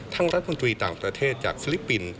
รัฐมนตรีต่างประเทศจากฟิลิปปินส์